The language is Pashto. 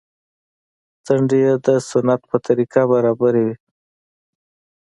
څنډې يې د سنت په طريقه برابرې وې.